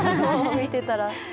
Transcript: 見てたら。